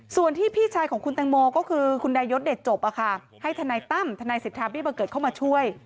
ส่วนที่พี่ชายของคุณตังโมก็คือคุณได้ยศเด็ดจบอะค่ะให้ทนัยตั้มทนัยศิษฐาบิบเกิดเข้ามาช่วย